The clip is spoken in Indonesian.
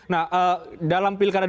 nah dalam perhitungannya